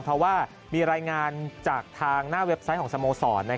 เพราะว่ามีรายงานจากทางหน้าเว็บไซต์ของสโมสร